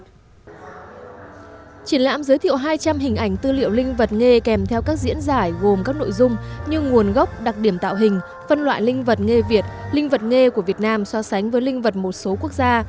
triển lãm giới thiệu hai trăm linh hình ảnh tư liệu linh vật nghề kèm theo các diễn giải gồm các nội dung như nguồn gốc đặc điểm tạo hình phân loại linh vật nghề việt linh vật nghề của việt nam so sánh với linh vật một số quốc gia